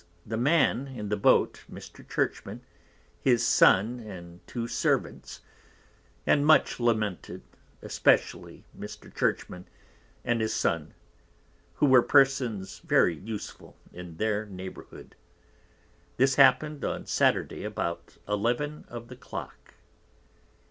_ the Man in the Boat, Mr. Churchman, his Son and 2 Servants, and much lamented, especially Mr. Churchman, and his Son, who were Persons very useful in their Neighbourhood. This happened on Saturday about 11 of the Clock.